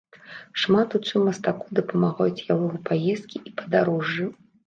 Шмат у чым мастаку дапамагаюць яго паездкі і падарожжы.